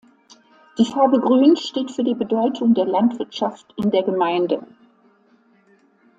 Die Farbe Grün steht für die Bedeutung der Landwirtschaft in der Gemeinde.